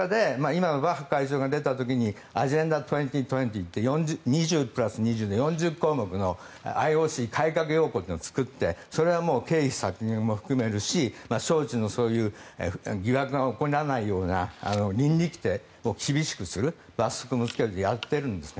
その中で今はアジェンダ２０２０で２０プラス２０の４０項目のＩＯＣ改革要綱というのを作ってそれは経費削減も含めるし招致の疑惑が起こらないような倫理規定を厳しくする罰則もつけてやっているんですね。